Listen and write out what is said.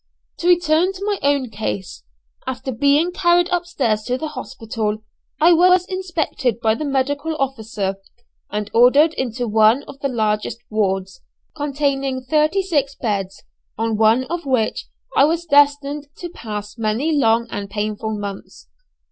To return to my own case: after being carried upstairs to the hospital, I was inspected by the medical officer, and ordered into one of the largest wards, containing thirty six beds, on one of which I was destined to pass many long and painful months.